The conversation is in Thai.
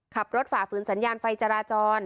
ฝ่าฝืนสัญญาณไฟจราจร